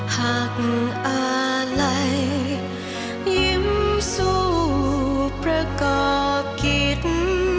หากอะไรยิ้มสู้ประกอบกิน